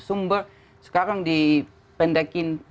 sumber sekarang dipendekin